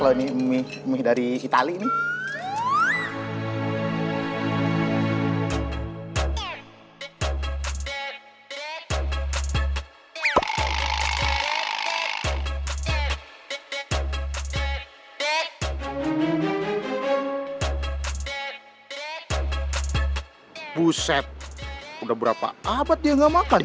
brendy meh dari itali buset udah berapa abad ya gak makan